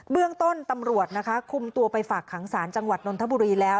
เรื่องต้นตำรวจนะคะคุมตัวไปฝากขังศาลจังหวัดนนทบุรีแล้ว